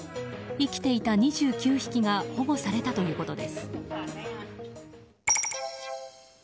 生きていた２９匹が保護されたということです。